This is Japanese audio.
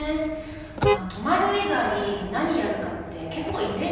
まあ泊まる以外何やるかって結構イメージバラバラだよね。